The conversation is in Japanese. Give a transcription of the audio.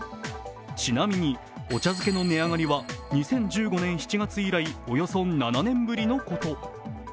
ちなみにお茶づけの値上がりは２０１５年７月以来およそ７年ぶりのこと。